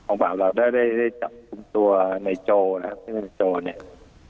องปากเราได้ได้จับคุมตัวในโจนะครับ